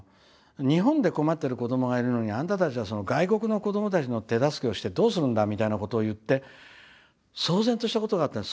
「日本で困ってる子供がいるのにあんたたちは外国の子供たちの手助けをしてどうするんだ」みたいなことを言って騒然としたことがあったんです。